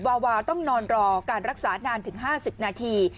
วาวาต้องนอนรอการรักษานานถึง๕๐นาที